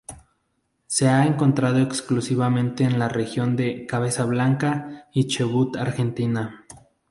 Se ha encontrado exclusivamente en la región de Cabeza Blanca, en Chubut, Argentina.